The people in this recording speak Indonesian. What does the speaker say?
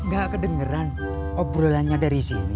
gak kedengeran obrolannya dari sini